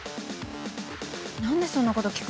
何でそんなこと聞くんですか？